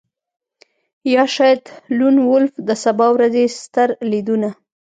یا شاید لون وولف د سبا ورځې ستر لیدونه